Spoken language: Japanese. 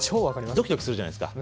ドキドキするじゃないですか？